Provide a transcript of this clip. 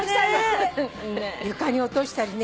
床に落としたりして。